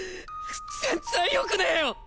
全然よくねえよ！